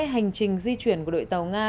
hành trình di chuyển của đội tàu nga